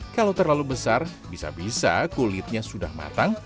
kalau terlalu besar bisa bisa kulitnya sudah matang